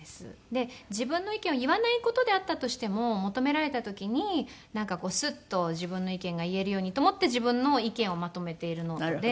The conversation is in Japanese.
で自分の意見を言わない事であったとしても求められた時になんかスッと自分の意見が言えるようにと思って自分の意見をまとめているノートで。